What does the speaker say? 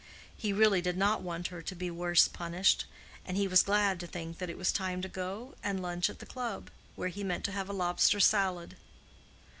He really did not want her to be worse punished, and he was glad to think that it was time to go and lunch at the club, where he meant to have a lobster salad.